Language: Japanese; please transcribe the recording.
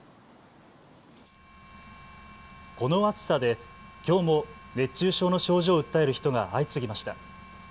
この暑さできょうも熱中症の症状を訴える人が相次ぎました。